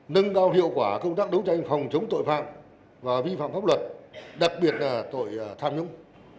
nâng cao hiệu quả công tác đấu tranh phòng chống tội phạm và vi phạm pháp luật đặc biệt là tội tham nhũng